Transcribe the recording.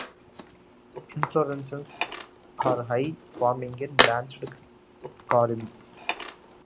Inflorescences are high, forming a branched corymb.